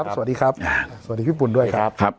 สวัสดีครับสวัสดีพี่ปุ่นด้วยครับ